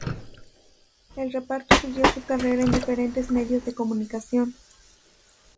El reparto siguió su carrera en diferentes medios de comunicación.